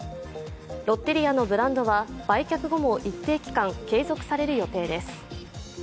ロッテリアのブランドは売却後も一定期間、継続される予定です。